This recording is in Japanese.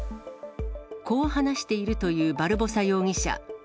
こう話しているというバルボサ容疑者。